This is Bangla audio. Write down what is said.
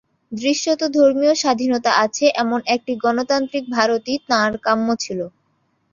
দৃশ্যত ধর্মীয় স্বাধীনতা আছে, এমন একটি গণতান্ত্রিক ভারতই তাঁর কাম্য ছিল।